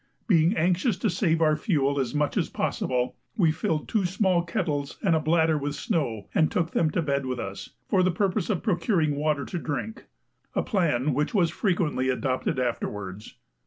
Being anxious to save our fuel as much as possible, we filled two small kettles and a bladder with snow and took them to bed with us, for the purpose of procuring water to drink a plan which was frequently adopted afterwards.